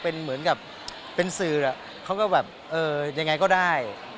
เป็นเหมือนกับเป็นสื่อเขาก็แบบเออยังไงก็ได้